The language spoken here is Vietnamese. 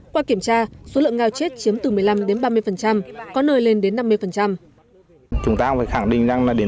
qua kiểm tra số lượng ngao chết chiếm từ một mươi năm đến ba mươi có nơi lên đến năm mươi